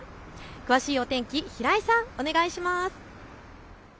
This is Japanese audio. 詳しいお天気、平井さん、お願いします。